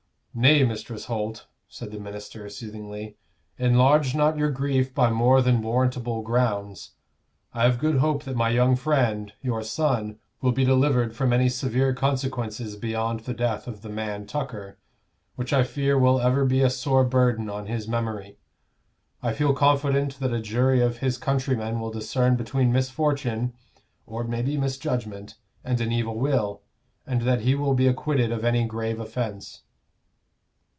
"Nay, Mistress Holt," said the minister, soothingly, "enlarge not your grief by more than warrantable grounds. I have good hope that my young friend, your son, will be delivered from any severe consequences beyond the death of the man Tucker, which I fear will ever be a sore burden on his memory. I feel confident that a jury of his country men will discern between misfortune, or it may be misjudgment, and an evil will, and that he will be acquitted of any grave offence."